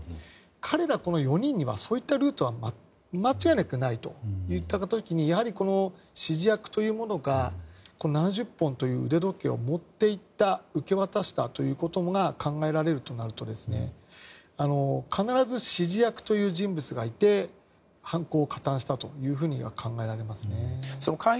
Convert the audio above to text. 彼ら４人にはそういったルートは間違いなくないといった時にやはり、指示役というものが７０本という腕時計を持って行った受け渡したということが考えられるとなると必ず指示役という人物がいて犯行に加担したと考えられますね。